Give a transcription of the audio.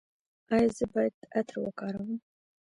ایا زه باید عطر وکاروم؟